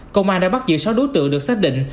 công an đã bắt giữ sáu đối tượng được xác định